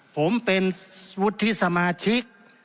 ผมเป็นวุฒิสมาชิก